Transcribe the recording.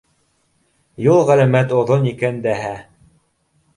Юл ғәләмәт оҙон икән дәһә.